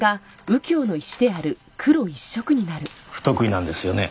不得意なんですよね？